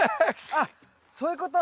あっそういうこと？